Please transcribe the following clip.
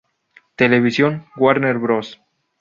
Television y Warner Bros.